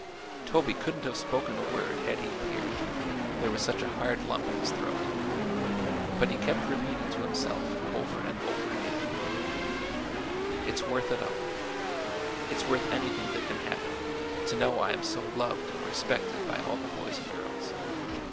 Toby couldn't have spoken a word had he appeared, there was such a hard lump in his throat; but he kept repeating to himself, over and over again: "It's worth it all! It's worth anything that can happen to know I am so loved and respected by all the boys and girls.